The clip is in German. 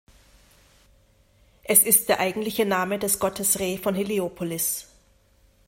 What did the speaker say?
Es ist der eigentliche Name des Gottes Re von Heliopolis.